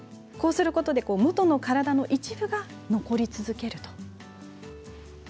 こうすることで元の体の一部が残り続けるんですね。